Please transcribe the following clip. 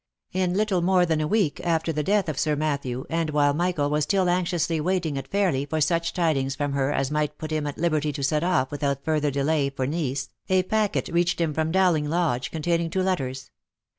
In little more than a week after the death of Sir Matthew, and while Michael was still anxiously waiting at Fairly for such tidings from her as might put him at liberty to set off without further delay for Nice, a packet reached him from Dowling Lodge, containing two letters.